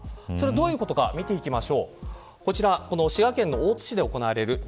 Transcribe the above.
どういうことか見ていきます。